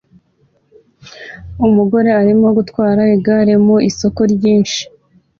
Umugore arimo gutwara igare mu isoko ryinshi